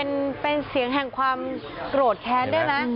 เป็นเสียงแห่งความโกรธแค้นได้ไหม